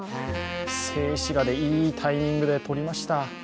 静止画でいいタイミングで撮りました。